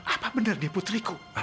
apa benar dia putriku